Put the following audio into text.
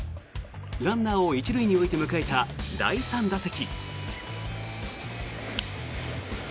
ランナーを１塁に置いて迎えた第３打席。